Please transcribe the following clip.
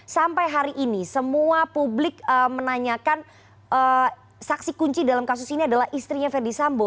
sampai hari ini semua publik menanyakan saksi kunci dalam kasus ini adalah istrinya verdi sambo